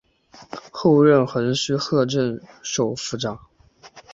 后任横须贺镇守府长。